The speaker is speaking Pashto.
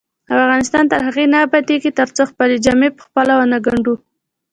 افغانستان تر هغو نه ابادیږي، ترڅو خپلې جامې پخپله ونه ګنډو.